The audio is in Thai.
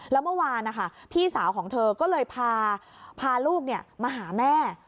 แล้วเมื่อวานนะคะพี่สาวของเธอก็เลยพาลูกมาหาแม่